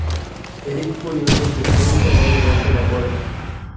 Eric furioso se fue y cerró de golpe la puerta.